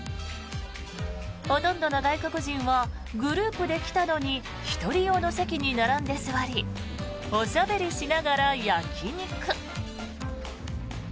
ほとんどの外国人はグループで来たのに１人用の席に並んで座りおしゃべりしながら焼き肉。